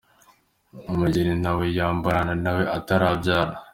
Umugeni ntawe yambarana na we atarabyara.